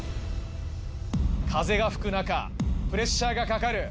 風が吹く中プレッシャーがかかる。